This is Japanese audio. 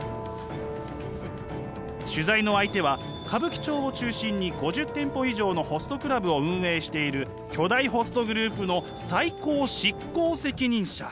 取材の相手は歌舞伎町を中心に５０店舗以上のホストクラブを運営している巨大ホストグループの最高執行責任者。